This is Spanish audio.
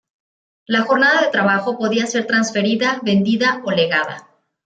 La jornada de trabajo podía ser transferida, vendida o legada.